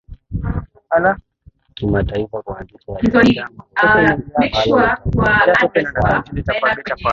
kimataifa Kuanzisha jarida mahususi ambalo litaongelea masuala